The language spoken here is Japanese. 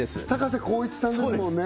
瀬浩一さんですもんね